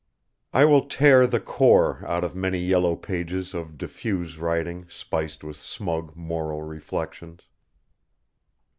I will tear the core out of many yellow pages of diffuse writing spiced with smug moral reflections.